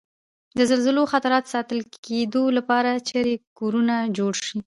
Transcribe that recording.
د زلزلوي خطراتو ساتل کېدو لپاره چېرې کورنه جوړ شي؟